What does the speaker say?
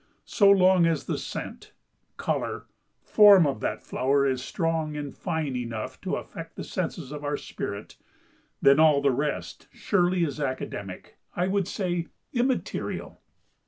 So long as the scent, colour, form of that flower is strong and fine enough to affect the senses of our spirit, then all the rest, surely, is academic—I would say, immaterial.